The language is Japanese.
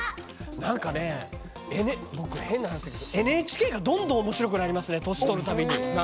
なんかね、変な話だけどＮＨＫがどんどん、おもしろくなりますね年をとるたびに。